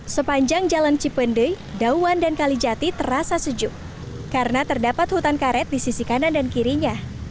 sepanjang jalan cipendei dauan dan kalijati terasa sejuk karena terdapat hutan karet di sisi kanan dan kirinya